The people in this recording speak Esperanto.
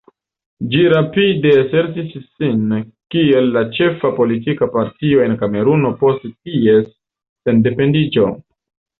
Ĝi rapide asertis sin kiel la ĉefa politika partio de Kameruno post ties sendependiĝo.